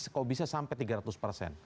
kok bisa sampai tiga ratus persen